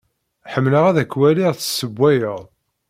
Ḥemmleɣ ad k-waliɣ tessewwayed.